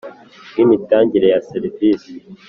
bw imitangire ya serivisi